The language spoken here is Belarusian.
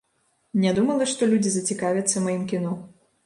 Не думала, што людзі зацікавяцца маім кіно.